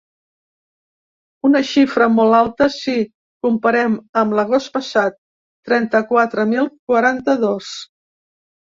Una xifra molta alta si la comparem amb l’agost passat: trenta-quatre mil quaranta-dos.